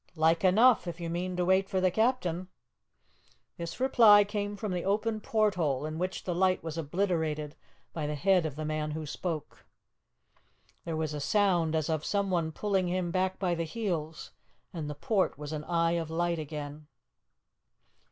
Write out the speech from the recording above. "Like enough, if you mean to wait for the captain." This reply came from the open porthole, in which the light was obliterated by the head of the man who spoke. There was a sound as of someone pulling him back by the heels, and the port was an eye of light again.